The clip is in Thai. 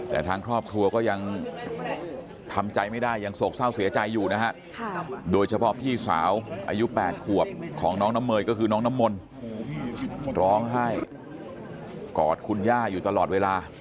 แต่ทางครอบครัวก็ยังทำใจไม่ได้ยังโศกเศร้าเสียใจอยู่นะฮะโดยเฉพาะพี่สาวอายุ๘ขวบของน้องน้ำเมยก็คือน้องน้ำมนต์ร้องไห้กอดคุณย่าอยู่ตลอดเวลา